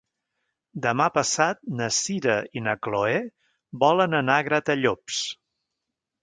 Demà passat na Sira i na Chloé volen anar a Gratallops.